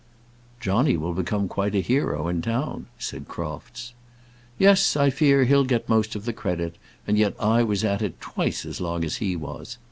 "Johnny will become quite a hero in town," said Crofts. "Yes; I fear he'll get the most of the credit; and yet I was at it twice as long as he was.